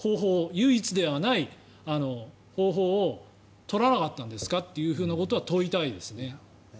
唯一ではない方法を取らなかったんですかというふうなことは問いたいですね。